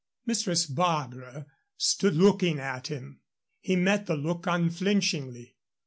Mistress Barbara stood looking at him. He met the look unflinchingly.